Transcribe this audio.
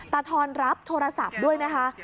ตาธรรณ์รับโทรศัพท์ด้วยนะคะ